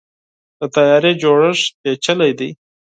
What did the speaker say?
د طیارې جوړښت پیچلی دی.